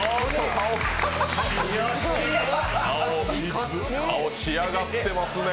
顔、仕上がってますね。